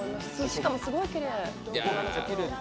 しかも、すごいきれい。